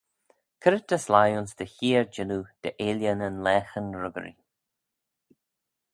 C'red ta sleih ayns dty heer jannoo dy 'eailley nyn laghyn ruggyree?